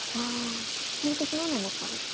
決めてしまうのはもったいないと。